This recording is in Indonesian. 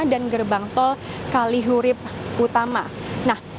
dan gerbang tol kalihurip utama